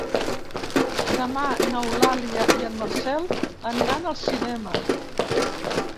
Demà n'Eulàlia i en Marcel aniran al cinema.